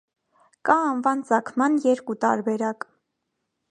Կա անվան ծագման երկու տարբերակ։